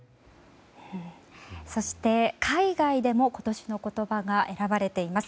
そして、海外でも今年の言葉が選ばれています。